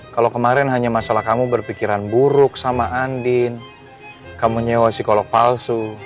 kalau kemarin hanya masalah kamu berpikiran buruk sama andin kamu nyewa psikolog palsu